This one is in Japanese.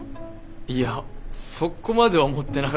いやそこまでは思ってなかったけど。